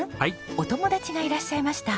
お友達がいらっしゃいました。